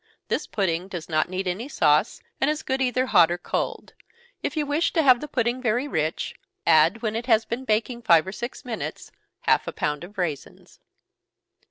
This pudding does not need any sauce, and is good either hot or cold. If you wish to have the pudding very rich, add, when it has been baking five or six minutes, half a pound of raisins.